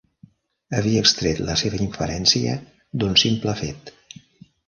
Havia extret la seva inferència d'un simple fet.